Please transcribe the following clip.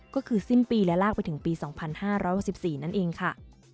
ก็คือสิ้นปีและลากไปถึงปี๒๕๖๔นั่นเองค่ะ